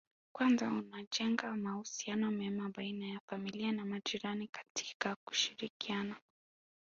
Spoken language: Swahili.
Kwanza unajenga mahusiano mema baina ya familia na majirani katika kushirikiana